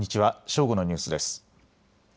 正午のニュースです。